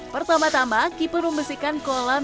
pertama tama keeper membersihkan kolam